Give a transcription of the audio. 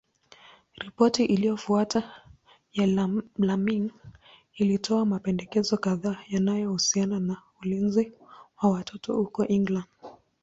Ripoti iliyofuata ya Laming ilitoa mapendekezo kadhaa yanayohusiana na ulinzi wa watoto huko England.